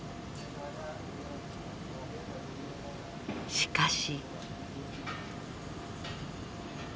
しかし。